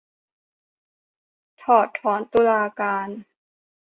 ถอดถอนตุลาการ ?